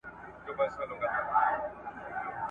دا خطر به قبلوي چي محوه کیږي ,